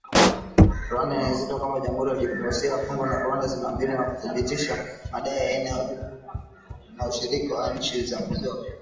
Rwanda inasisitizwa kwamba “Jamhuri ya demokrasia ya Kongo na Rwanda zina mbinu za kuthibitisha madai ya aina yoyote chini ya ushirika wa nchi za maziwa makuu.